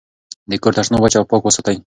د کور تشناب وچ او پاک وساتئ.